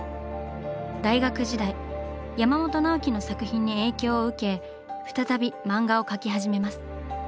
大学時代山本直樹の作品に影響を受け再び漫画を描き始めます。